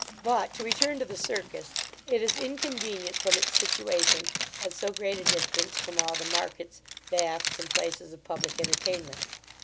But, to return to the Circus; it is inconvenient from its situation, at so great a distance from all the markets, baths, and places of public entertainment.